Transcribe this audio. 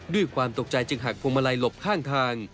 ด้วยความตกใจจึงหักพวงมาลัยหลบข้างทาง